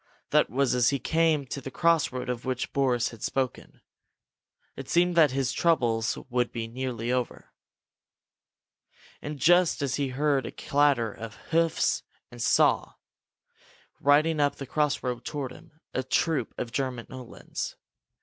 That was as he came to the crossroad of which Boris had spoken. It seemed that his troubles must be nearly over. And just then he heard a clatter of hoofs and saw, riding up the crossroad toward him, a troop of German Uhlans.